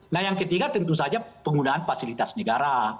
nah yang ketiga tentu saja penggunaan fasilitas negara